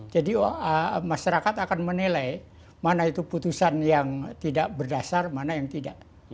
jadi masyarakat akan menilai mana itu putusan yang tidak berdasar mana yang tidak